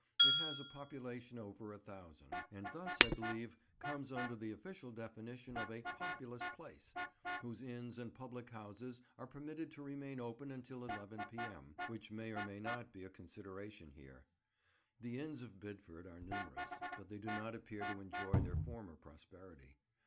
It has a population of over a thousand, and thus, I believe, comes under the official definition of a "populous place," whose inns and public houses are permitted to remain open until 11 p.m., which may or may not be a consideration here. The inns of Bidford are numerous, but they do not appear to enjoy their former prosperity.